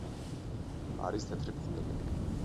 არის თეთრი ფხვნილი.